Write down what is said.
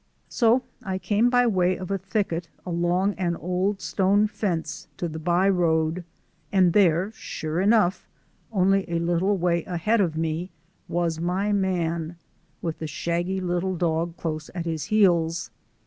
So I came by way of a thicket along an old stone fence to the by road, and there, sure enough, only a little way ahead of me, was my man with the shaggy little dog close at his heels.